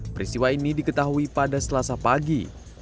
peristiwa ini diketahui pada selasa pagi